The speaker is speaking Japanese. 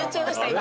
今。